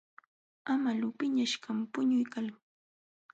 Amalu piñaśhqam puñuykalqa.